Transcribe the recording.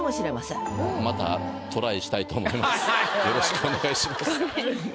よろしくお願いします。